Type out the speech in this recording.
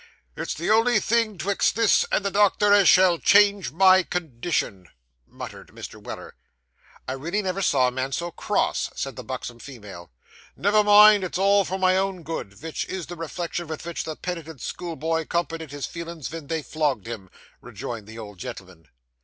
'It's the only thing 'twixt this and the doctor as shall change my condition,' muttered Mr. Weller. 'I really never saw a man so cross,' said the buxom female. 'Never mind. It's all for my own good; vich is the reflection vith vich the penitent school boy comforted his feelin's ven they flogged him,' rejoined the old gentleman.